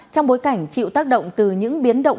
trong bối cảnh chịu tác động từ những biến động